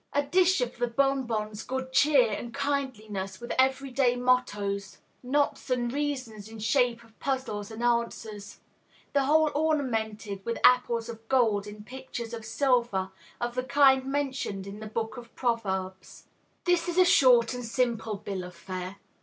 A dish of the bonbons Good Cheer and Kindliness with every day mottoes; Knots and Reasons in shape of Puzzles and Answers; the whole ornamented with Apples of Gold in Pictures of Silver, of the kind mentioned in the Book of Proverbs. This is a short and simple bill of fare.